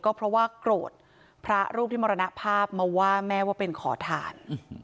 ก็เพราะว่าโกรธพระรูปที่มรณภาพมาว่าแม่ว่าเป็นขอทาน